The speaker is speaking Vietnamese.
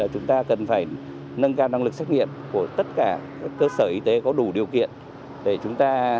chúng ta cần phải nâng cao năng lực xét nghiệm của tất cả các cơ sở y tế có đủ điều kiện để chúng ta